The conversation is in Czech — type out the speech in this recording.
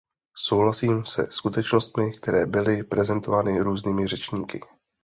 Souhlasím se skutečnostmi, které byly prezentovány různými řečníky.